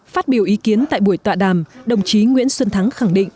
phát biểu ý kiến tại buổi tọa đàm đồng chí nguyễn xuân thắng khẳng định